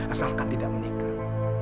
asalkan tidak menikah